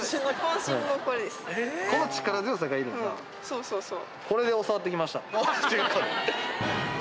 うんそうそうそう。